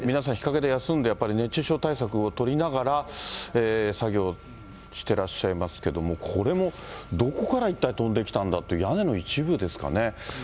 皆さん、日陰で休んで、やっぱり熱中症対策を取りながら、作業してらっしゃいますけれども、これも、どこから一体飛んできたんだっていう、屋根の一部ですかね。